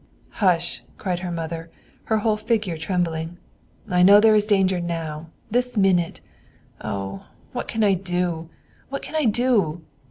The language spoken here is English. "Hush!" cried her mother, her whole figure trembling. "I know there is danger now, this minute. Oh, what can I do, what can I do?"